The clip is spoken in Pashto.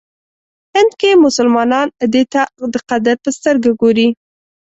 هند کې مسلمانان دی ته قدر په سترګه ګوري.